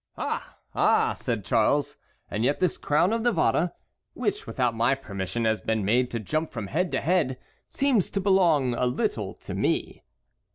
"Ah! ah!" said Charles, "and yet this crown of Navarre, which without my permission has been made to jump from head to head, seems to belong a little to me."